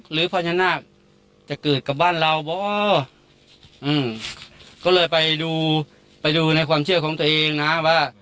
พญานาคจะเกิดกับบ้านเราบ่ออืมก็เลยไปดูไปดูในความเชื่อของตัวเองนะว่า